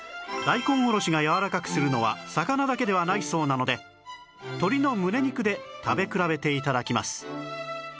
大根おろしがやわらかくするのは魚だけではないそうなので鶏の胸肉で食べ比べて頂きます